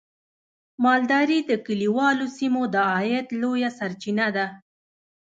مالداري د کليوالو سیمو د عاید لویه سرچینه ده.